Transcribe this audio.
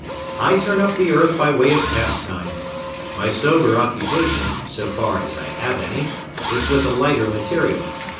I turn up the earth by way of pastime. My sober occupation, so far as I have any, is with a lighter material.